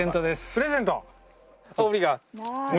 プレゼント！